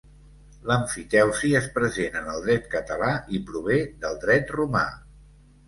L'emfiteusi és present en el Dret català, i prové del Dret romà.